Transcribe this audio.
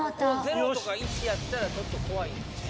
０とか１やったらちょっと怖いですね。